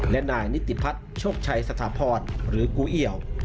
และนายนิตยิพัฒน์โชคชัยสถาพรฯหรือบุรรณหรือกูเหี่ยว